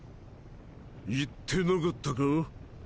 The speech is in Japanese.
言ってなかったか？